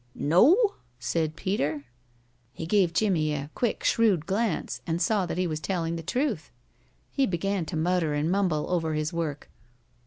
"No?" said Peter. He gave Jimmie a quick shrewd glance, and saw that he was telling the truth. He began to mutter and mumble over his work.